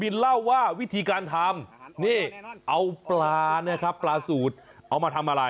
นี่เอาปลาเนี่ยครับปลาสูตรเอามาทำอะไร